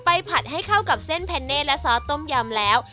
ผัดให้เข้ากับเส้นแนนเน่และซอสต้มยำแล้ว